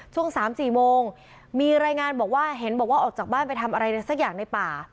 ช่วง๓๔โมงมีรายงานบอกว่าเห็นบอกว่าออกจากบ้านไปทำอะไรสักอย่างในป่า